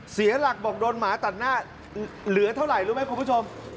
เสียหลักบอกโดนหมาตัดหน้าเหลือเท่าไหร่รู้ไหมคุณผู้ชม